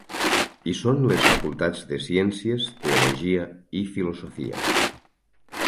Hi són les facultats de Ciències, Teologia i Filosofia.